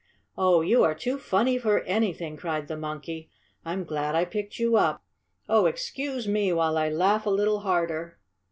"Oh, you are too funny for anything!" cried the monkey. "I'm glad I picked you up. Oh, excuse me while I laugh a little harder!"